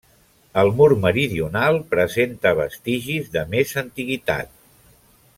El mur meridional presenta vestigis de més antiguitat.